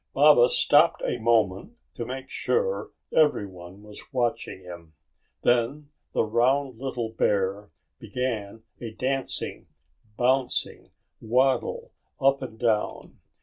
Baba stopped a moment to make sure everyone was watching him. Then the round little bear began a dancing, bouncing waddle up and down.